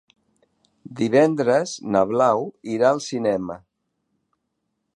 Divendres na Blau irà al cinema.